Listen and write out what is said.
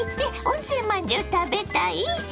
温泉まんじゅう食べたい？